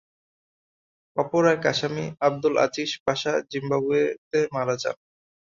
অপর এক আসামি, আবদুল আজিজ পাশা জিম্বাবুয়েতে মারা যান।